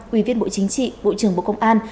ủy viên bộ chính trị bộ trưởng bộ công an